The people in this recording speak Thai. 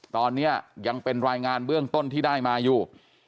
ตอนนี้ยังเป็นรายงานเบื้องต้นที่ได้มาอยู่